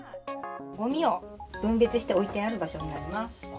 ごみを分別して置いてある場所なります。